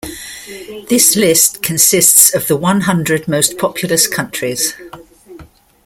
This list consists of the one hundred most populous countries.